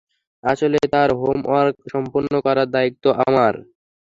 আসলে তার homework সম্পুর্ন করার দায়িত্ব আমার।